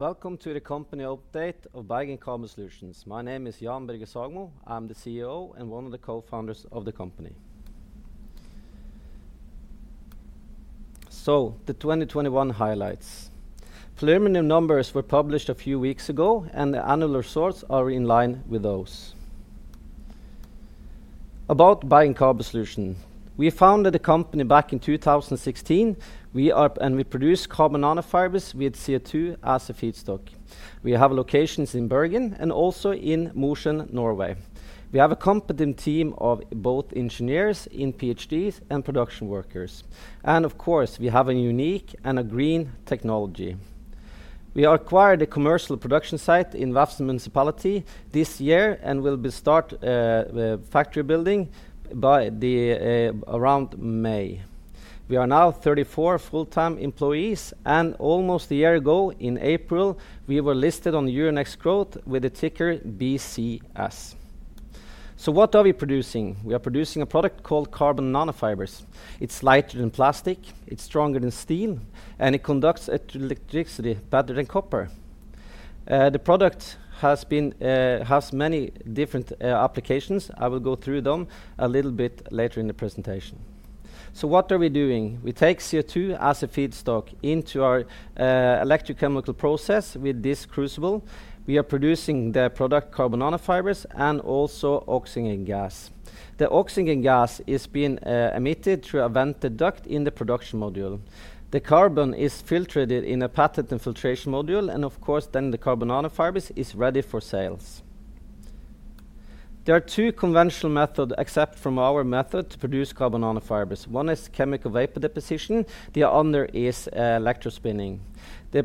Welcome to the company update of Bergen Carbon Solutions. My name is Jan Børge Sagmo. I'm the CEO and one of the co-founders of the company. The 2021 highlights. Preliminary numbers were published a few weeks ago, and the annual results are in line with those. About Bergen Carbon Solutions. We founded the company back in 2016. We produce carbon nanofibers with CO2 as a feedstock. We have locations in Bergen and also in Mosjøen, Norway. We have a competent team of both engineers and PhDs and production workers. Of course, we have a unique and a green technology. We acquired a commercial production site in Vefsn Municipality this year and will start the factory building by around May. We are now 34 full-time employees, and almost a year ago in April, we were listed on the Euronext Growth with the ticker BCS. What are we producing? We are producing a product called carbon nanofibers. It's lighter than plastic, it's stronger than steel, and it conducts electricity better than copper. The product has many different applications. I will go through them a little bit later in the presentation. What are we doing? We take CO2 as a feedstock into our electrochemical process with this crucible. We are producing the product carbon nanofibers and also oxygen gas. The oxygen gas is being emitted through a vented duct in the production module. The carbon is filtered in a patented filtration module and of course then the carbon nanofibers is ready for sales. There are two conventional methods except from our method to produce carbon nanofibers. One is chemical vapor deposition, the other is electrospinning. The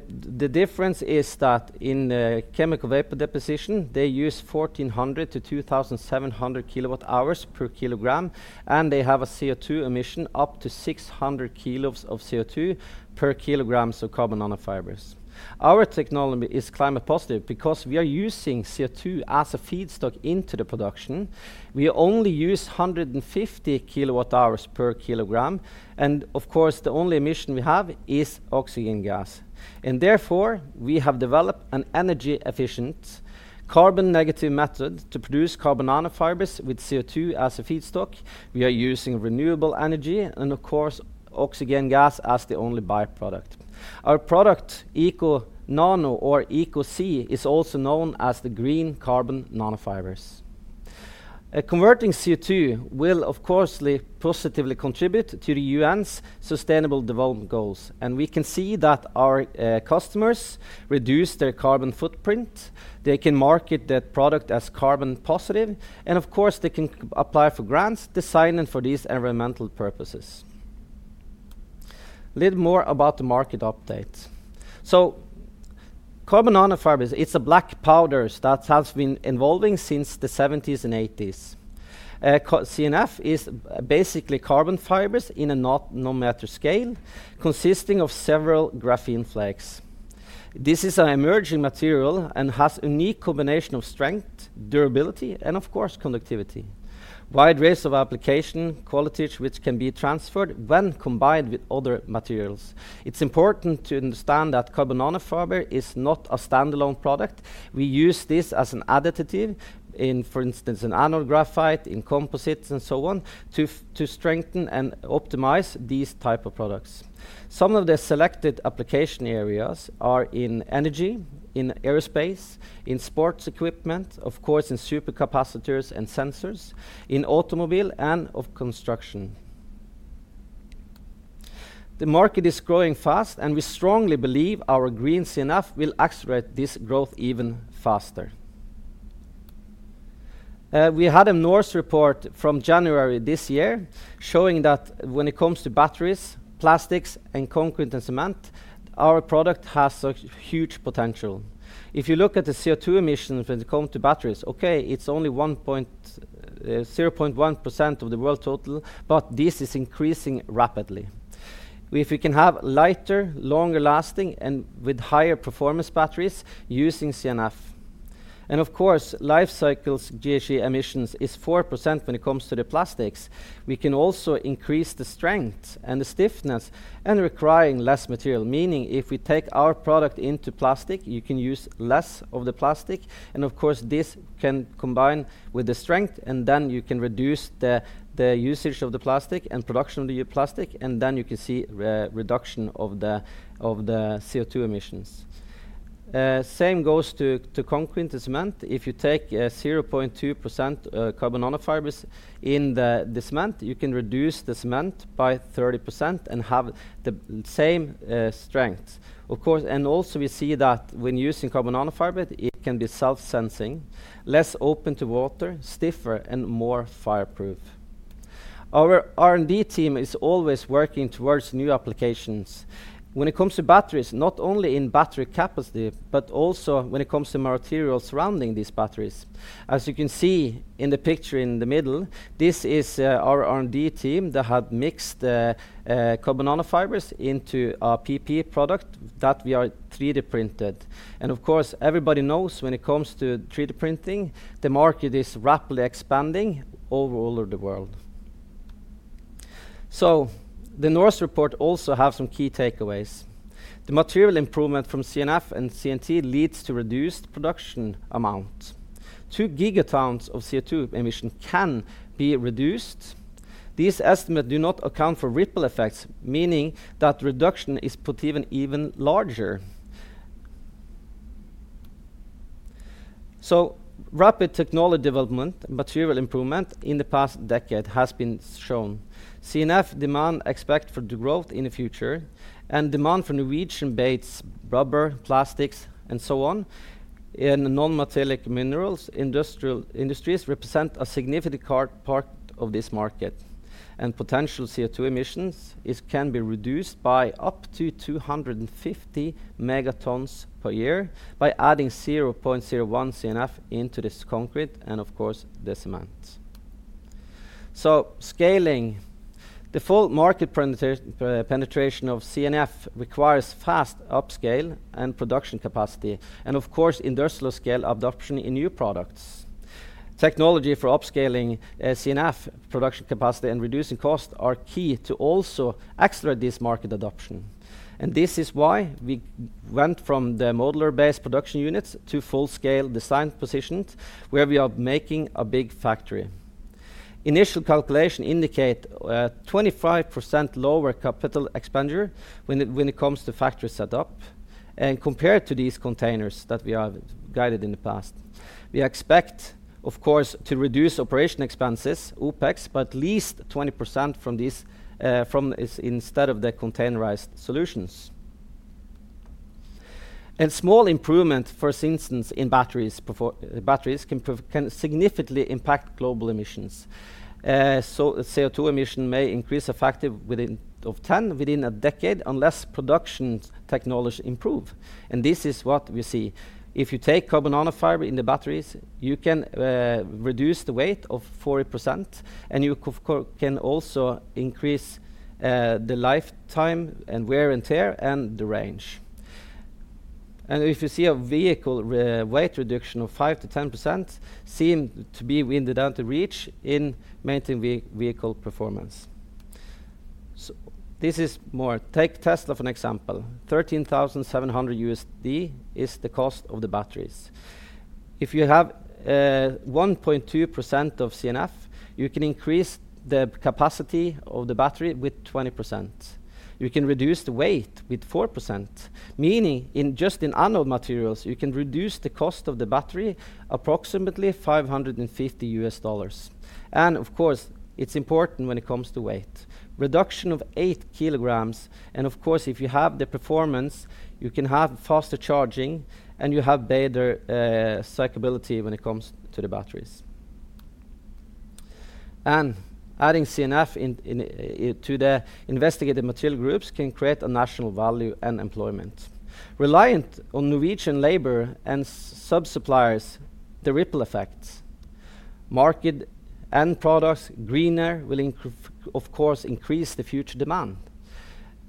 difference is that in the chemical vapor deposition, they use 1,400 kWh-2,700 kWh per kg, and they have a CO2 emission up to 600 kg of CO2 per kg of carbon nanofibers. Our technology is climate positive because we are using CO2 as a feedstock into the production. We only use 150 kWh per kilogram, and of course, the only emission we have is oxygen gas. Therefore, we have developed an energy efficient, carbon negative method to produce carbon nanofibers with CO2 as a feedstock. We are using renewable energy and of course oxygen gas as the only by-product. Our product, EcoNano or ECO-C, is also known as the green carbon nanofibers. Converting CO2 will of course positively contribute to the UN's Sustainable Development Goals, and we can see that our customers reduce their carbon footprint. They can market their product as carbon positive, and of course, they can apply for grants designed for these environmental purposes. A little more about the market update. Carbon nanofibers, it's a black powder that has been evolving since the seventies and eighties. CNF is basically carbon fibers in a nanometer scale consisting of several graphene flakes. This is an emerging material and has unique combination of strength, durability, and of course, conductivity, wide range of application qualities which can be transferred when combined with other materials. It's important to understand that carbon nanofiber is not a standalone product. We use this as an additive in, for instance, anode graphite, in composites, and so on to strengthen and optimize these type of products. Some of the selected application areas are in energy, in aerospace, in sports equipment, of course in supercapacitors and sensors, in automobile, and of construction. The market is growing fast, and we strongly believe our green CNF will accelerate this growth even faster. We had a NORCE report from January this year showing that when it comes to batteries, plastics, and concrete and cement, our product has such huge potential. If you look at the CO2 emissions when it comes to batteries, it's only 0.1% of the world total, but this is increasing rapidly. If we can have lighter, longer lasting and with higher performance batteries using CNF. Of course, life cycles GHG emissions is 4% when it comes to the plastics. We can also increase the strength and the stiffness and requiring less material, meaning if we take our product into plastic, you can use less of the plastic. Of course, this can combine with the strength, and then you can reduce the usage of the plastic and production of the plastic, and then you can see reduction of the CO2 emissions. Same goes to concrete and cement. If you take 0.2% carbon nanofibers in the cement, you can reduce the cement by 30% and have the same strength. Of course, and also we see that when using carbon nanofibers, it can be self-sensing, less open to water, stiffer, and more fireproof. Our R&D team is always working towards new applications. When it comes to batteries, not only in battery capacity, but also when it comes to materials surrounding these batteries. As you can see in the picture in the middle, this is our R&D team that have mixed carbon nanofibers into a PP product that we are 3D printed. Of course, everybody knows when it comes to 3D printing, the market is rapidly expanding all over the world. The NORCE report also have some key takeaways. The material improvement from CNF and CNT leads to reduced production amount. 2 gigatons of CO2 emission can be reduced. These estimates do not account for ripple effects, meaning that reduction is even larger. Rapid technology development, material improvement in the past decade has been shown. CNF demand expected for the growth in the future and demand for Norwegian-based rubber, plastics and so on, in non-metallic minerals, industrial industries represent a significant part of this market. Potential CO2 emissions can be reduced by up to 250 megatons per year by adding 0.01 CNF into this concrete, and of course, this amount. Scaling the full market penetration of CNF requires fast upscale and production capacity, and of course, industrial scale adoption in new products. Technology for upscaling CNF production capacity and reducing cost are key to also accelerate this market adoption. This is why we went from the modular-based production units to full-scale design positions, where we are making a big factory. Initial calculations indicate 25% lower capital expenditure when it comes to factory setup. Compared to these containers that we have guided in the past, we expect, of course, to reduce operating expenses, OPEX, by at least 20% from these, from this instead of the containerized solutions. Small improvement, for instance, in batteries can significantly impact global emissions. CO2 emission may increase a factor of 10 within a decade unless production technology improve. This is what we see. If you take carbon nanofiber in the batteries, you can reduce the weight of 40%, and you can also increase the lifetime and wear and tear and the range. If you see a vehicle weight reduction of 5%-10% seem to be within the reach in maintaining vehicle performance. This is more. Take Tesla for an example. $13,700 is the cost of the batteries. If you have 1.2% of CNF, you can increase the capacity of the battery with 20%. You can reduce the weight with 4%, meaning just in anode materials, you can reduce the cost of the battery approximately $550. Of course, it's important when it comes to weight reduction of 8 kg. Of course, if you have the performance, you can have faster charging, and you have better cyclability when it comes to the batteries. Adding CNF in to the investigated material groups can create a national value and employment. Reliant on Norwegian labor and sub-suppliers, the ripple effects, market end products greener will increase the future demand.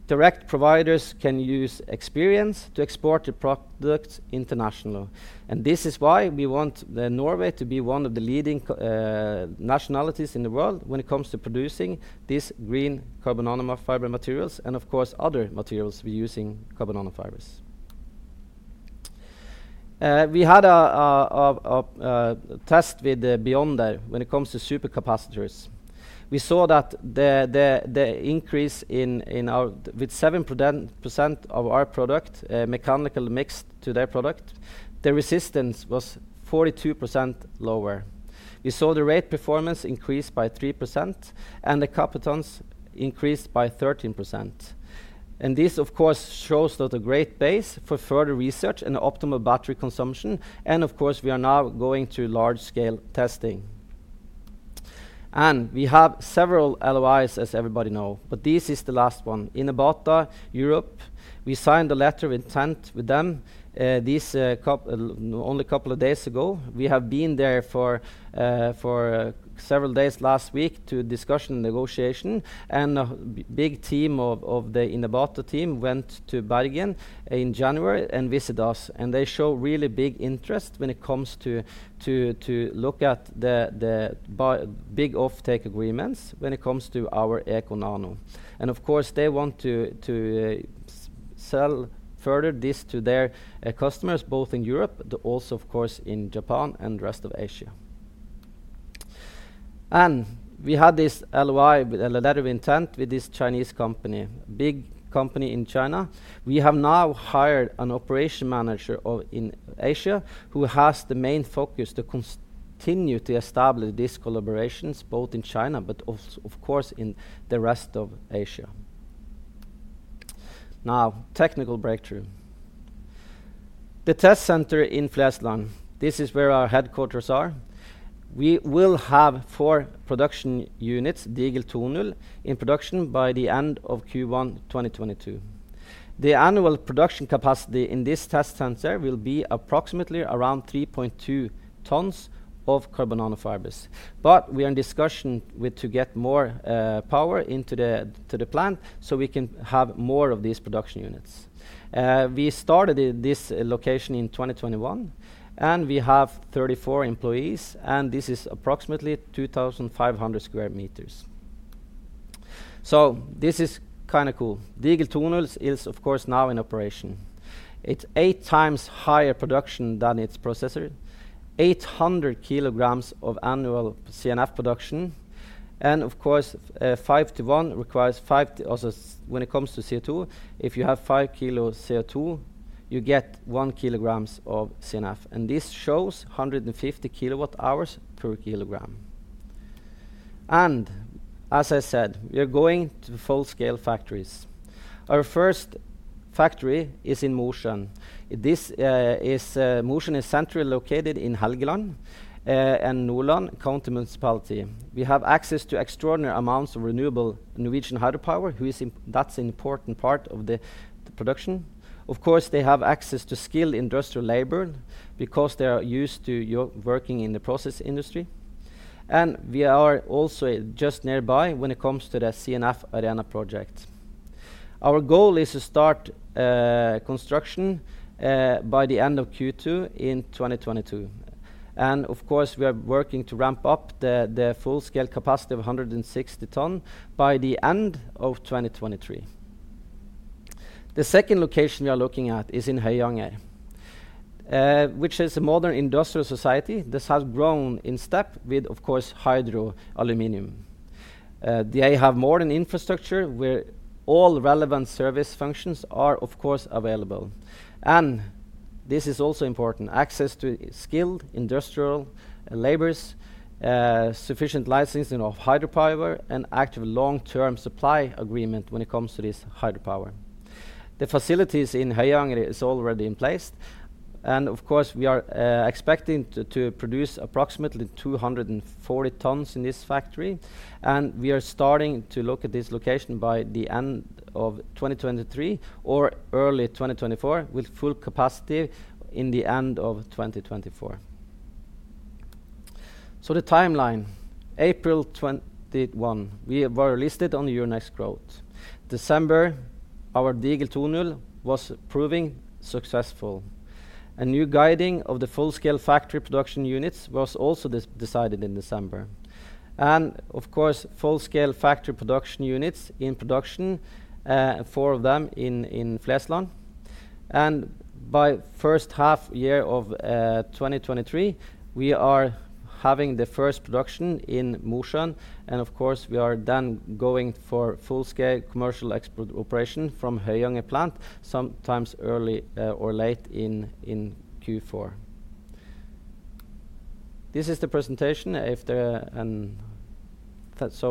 Direct providers can use experience to export the products internationally. This is why we want Norway to be one of the leading countries in the world when it comes to producing these green carbon nanofiber materials and of course, other materials reusing carbon nanofibers. We had a test with the Beyonder when it comes to supercapacitors. We saw that with 7% of our product mechanically mixed with their product, the resistance was 42% lower. We saw the rate performance increase by 3%, and the capacitance increased by 13%. This of course shows a great base for further research and optimal battery consumption, and of course, we are now going through large scale testing. We have several LOIs, as everybody know, but this is the last one. Inabata Europe, we signed a letter of intent with them, only a couple of days ago. We have been there for several days last week to discuss negotiations, and a big team of the Inabata team went to Bergen in January and visit us, and they show really big interest when it comes to look at the big offtake agreements when it comes to our EcoNano. Of course, they want to sell further this to their customers, both in Europe, also of course, in Japan and the rest of Asia. We had this LOI, letter of intent with this Chinese company, big company in China. We have now hired an operations manager in Asia, who has the main focus to continue to establish these collaborations, both in China, but also, of course, in the rest of Asia. Now, technical breakthrough. The test center in Flesland, this is where our headquarters are. We will have four production units, Diegel 2.0, in production by the end of Q1 2022. The annual production capacity in this test center will be approximately around 3.2 tons of carbon nanofibers. But we are in discussions to get more power into the plant, so we can have more of these production units. We started this location in 2021, and we have 34 employees, and this is approximately 2,500 sq m. This is kind of cool. Diegel 2.0 is of course now in operation. It's 8x higher production than its predecessor, 800 kg of annual CNF production. Of course, five to one. Also, when it comes to CO2, if you have 5 kg CO2, you get 1 kg of CNF, and this shows 150 kWh per kg. As I said, we are going to full-scale factories. Our first factory is in Mosjøen. Mosjøen is centrally located in Helgeland and Nordland County municipality. We have access to extraordinary amounts of renewable Norwegian hydropower. We see that's an important part of the production. Of course, they have access to skilled industrial labor because they are used to working in the process industry. We are also just nearby when it comes to the CNF Arena project. Our goal is to start construction by the end of Q2 in 2022. Of course, we are working to ramp up the full-scale capacity of 160 tons by the end of 2023. The second location we are looking at is in Høyanger, which is a modern industrial site. This has grown in step with, of course, Hydro Aluminium. They have modern infrastructure where all relevant service functions are, of course, available. This is also important, access to skilled industrial labor, sufficient licensed hydropower and active long-term supply agreement when it comes to this hydropower. The facilities in Høyanger are already in place, and of course, we are expecting to produce approximately 240 tons in this factory, and we are starting to look at this location by the end of 2023 or early 2024, with full capacity in the end of 2024. The timeline, April 2021, we were listed on Euronext Growth. December, our Diegel 2.0 was proving successful. A new guiding of the full-scale factory production units was also decided in December. Of course, full-scale factory production units in production, four of them in Flesland. By first half year of 2023, we are having the first production in Mosjøen, and of course, we are then going for full-scale commercial export operation from Høyanger plant, sometimes early or late in Q4. This is the presentation. If there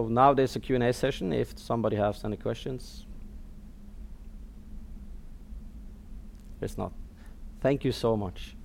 Now there's a Q&A session, if somebody has any questions. There's not. Thank you so much.